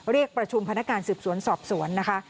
เรียกประชุมพนักการสืบสวนสอบสวนนะคะ